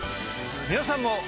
皆さんも。